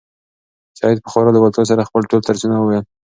سعید په خورا لېوالتیا سره خپل ټول درسونه وویل.